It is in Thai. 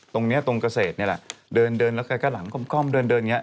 ตรงเนี้ยตรงเกษตรนี่แหละเดินเดินแล้วแกก็หลังก้มเดินเดินอย่างนี้